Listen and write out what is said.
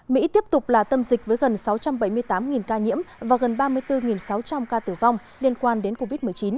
mỹ tiếp tục là tâm dịch với gần sáu trăm bảy mươi tám ca nhiễm và gần ba mươi bốn sáu trăm linh ca tử vong liên quan đến covid một mươi chín